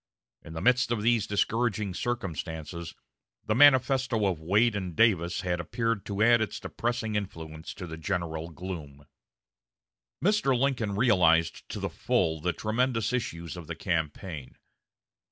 In the midst of these discouraging circumstances the manifesto of Wade and Davis had appeared to add its depressing influence to the general gloom. Mr. Lincoln realized to the full the tremendous issues of the campaign.